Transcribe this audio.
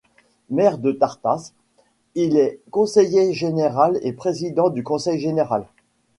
Maire de Tartas, il est conseiller général et président du conseil général.